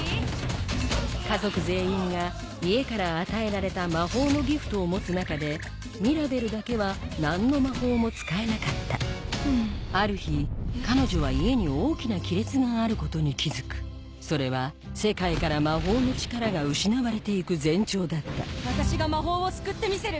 家族全員が家から与えられた魔法のギフトを持つ中でミラベルだけは何の魔法も使えなかったある日彼女は家に大きな亀裂があることに気付くそれは世界から魔法の力が失われていく前兆だった私が魔法を救ってみせる。